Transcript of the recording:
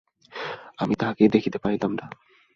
আমি তাহাকে দেখিতে পারিতাম না।